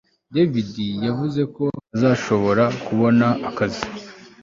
David yavuze ko adashobora kubona akazi